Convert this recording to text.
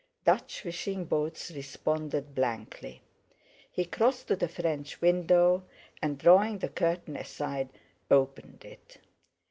"Dutch Fishing Boats" responded blankly; he crossed to the French window, and drawing the curtain aside, opened it.